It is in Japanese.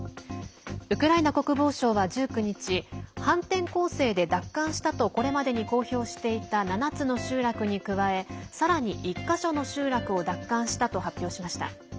ウクライナ国防省は１９日反転攻勢で奪還したとこれまでに公表していた７つの集落に加えさらに１か所の集落を奪還したと発表しました。